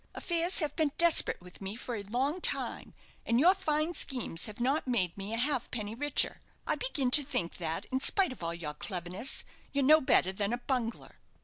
Affairs have been desperate with me for a long time, and your fine schemes have not made me a halfpenny richer. I begin to think that, in spite of all your cleverness, you're no better than a bungler."